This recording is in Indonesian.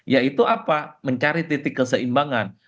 yaitu apa mencari titik keseimbangan